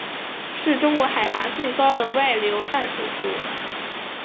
是中国海拔最高的外流淡水湖。